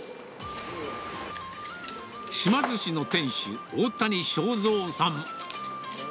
島寿しの店主、大谷昭三さん。